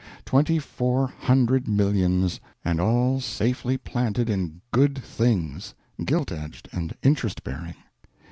Twenty four hundred millions, and all safely planted in Good Things, gilt edged and interest bearing.